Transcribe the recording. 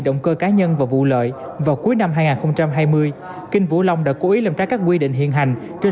động cơ cá nhân và vụ lợi vào cuối năm hai nghìn hai mươi kinh vũ long đã cố ý làm trái các quy định hiện hành trên